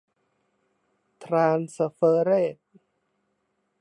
ทรานสเฟอร์เรส